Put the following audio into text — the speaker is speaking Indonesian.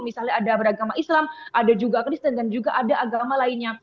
misalnya ada beragama islam ada juga kristen dan juga ada agama lainnya